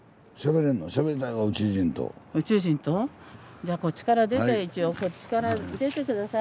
じゃあこっちから出て一応こっちから出て下さい。